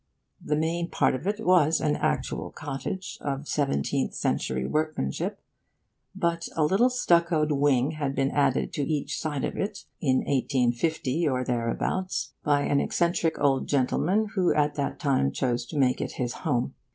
The main part of it was an actual cottage, of seventeenth century workmanship; but a little stuccoed wing had been added to each side of it, in 1850 or thereabouts, by an eccentric old gentleman who at that time chose to make it his home.